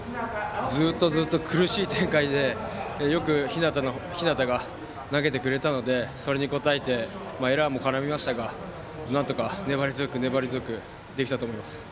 ずっとずっと苦しい展開でよく日當が投げてくれたのでそれに応えてエラーも絡みましたがなんとか粘り強くできたと思います。